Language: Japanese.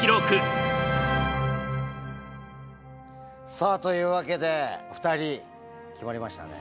さあというわけで２人決まりましたね。